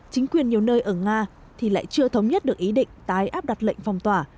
chính quyền nhiều nơi ở nga thì lại chưa thống nhất được ý định tái áp đặt lệnh phòng tỏa